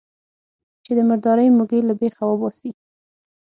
چې د مردارۍ موږی له بېخه وباسي.